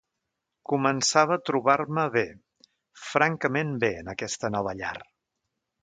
Començava a trobar-me bé, francament bé en aquesta nova llar.